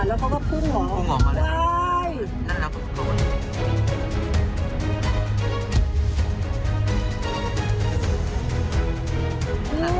แล้วเขาก็พึงออกพึงออกมาแล้วใช่